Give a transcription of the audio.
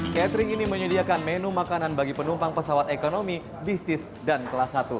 catering ini menyediakan menu makanan bagi penumpang pesawat ekonomi bisnis dan kelas satu